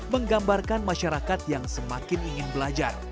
menggambarkan masyarakat yang semakin ingin belajar